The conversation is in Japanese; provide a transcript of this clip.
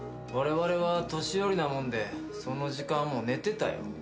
われわれは年寄りなもんでその時間はもう寝てたよ。